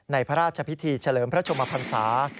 พระราชพิธีเฉลิมพระชมพันศา